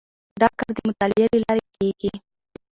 دا کار د مطالعې له لارې کیږي.